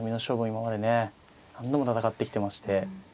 今までね何度も戦ってきてまして。